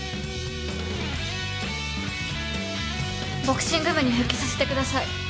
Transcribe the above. ボクシング部に復帰させてください。